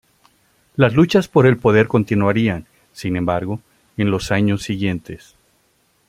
Las luchas por el poder continuarían, sin embargo, en los años siguientes.